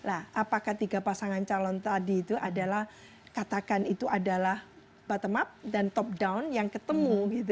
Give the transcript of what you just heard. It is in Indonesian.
apakah tiga pasangan calon tadi itu adalah katakan itu adalah bottom up dan top down yang ketemu